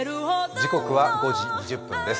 時刻は５時２０分です。